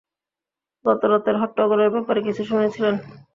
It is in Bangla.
গত রাতের হট্টগোলের ব্যাপারে কিছু শুনেছিলেন?